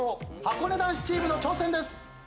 はこね男子チームの挑戦です。